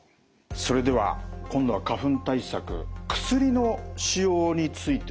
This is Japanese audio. それでは今度は花粉対策薬の使用についてですね。